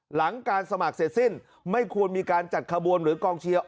หลังการสมัครเสร็จสิ้นไม่ควรมีการจัดขบวนหรือกองเชียร์